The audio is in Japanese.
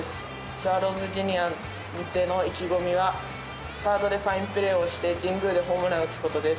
スワローズジュニアでの意気込みはサードでファインプレーをして神宮でホームランを打つことです。